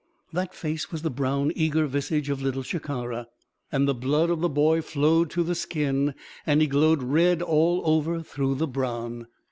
That face was the brown, eager visage of Little Shikara. And the blood of the boy flowed to the skin, and he glowed red all over through the brown.